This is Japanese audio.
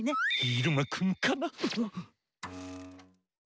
いるまくんかな⁉うっ！